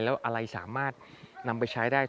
แล้วอะไรสามารถนำไปใช้ได้